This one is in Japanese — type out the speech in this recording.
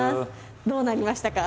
どうなりましたか？